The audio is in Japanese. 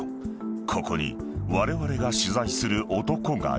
［ここにわれわれが取材する男がいる］